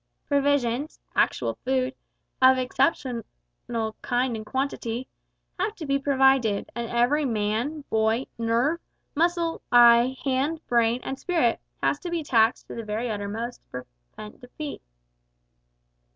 Provisions actual food, of exceptional kind and quantity have to be provided, and every man, boy, nerve, muscle, eye, hand, brain, and spirit, has to be taxed to the very uttermost to prevent defeat.